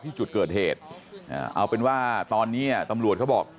ที่จุดเกิดเหตุเอาเป็นว่าตอนนี้ตำรวจเขาบอก